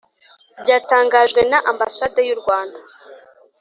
ryatangajwe na ambasade y'u rwanda: